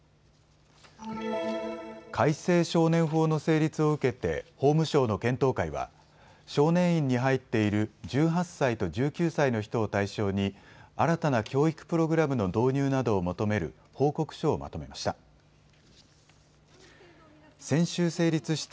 改正少年法の成立を受けて法務省の検討会は少年院に入っている１８歳と１９歳の人を対象に新たな教育プログラムの導入などを求める報告書をまとめました。